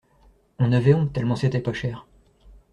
On avait honte tellement c'était pas cher.